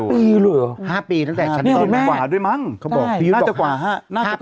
๕ปีหรือ๕ปีตั้งแต่ชั้นตอนแม่